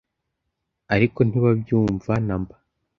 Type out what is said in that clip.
ariko ntibabyumva namba